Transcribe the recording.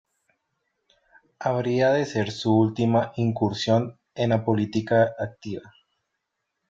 Habría de ser su última incursión en la política activa.